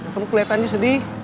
kamu kelihatannya sedih